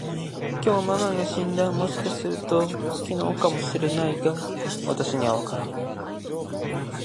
きょう、ママンが死んだ。もしかすると、昨日かも知れないが、私にはわからない。